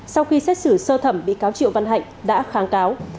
sau khi xét xử sơ thẩm bị cáo triệu văn hạnh đã kháng cáo